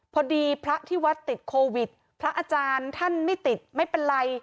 พระที่วัดติดโควิดพระอาจารย์ท่านไม่ติดไม่เป็นไร